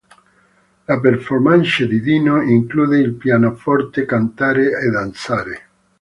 La performance di Dino include il pianoforte, cantare e danzare.